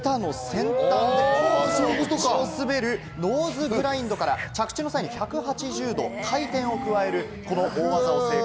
板の先端でコースの縁を滑るノーズグラインドから着地の際に１８０度回転を加える大技を成功。